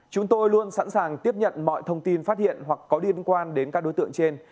chúng tôi luôn sẵn sàng tiếp nhận mọi thông tin phát hiện hoặc có liên quan đến các đối tượng trên